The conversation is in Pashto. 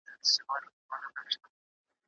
خاوند به د چا په نوبت کي موهوبې ته ورځي؟